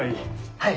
はい。